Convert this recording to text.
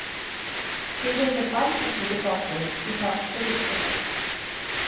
Within the philosophy department he taught Jurisprudence.